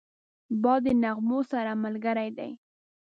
باد د نغمو سره ملګری دی